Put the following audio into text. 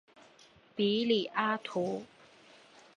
比里阿图。